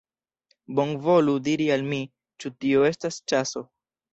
Bonvolu diri al mi, ĉu tio estas ĉaso!